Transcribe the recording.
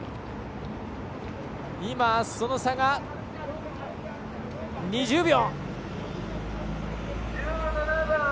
今、その差が２０秒。